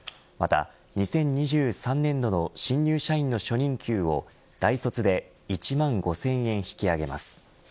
また２０２３年度の新入社員の初任給を大卒で１万５０００円引き上げます。